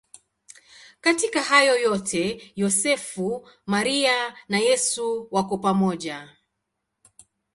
Katika hayo yote Yosefu, Maria na Yesu wako pamoja.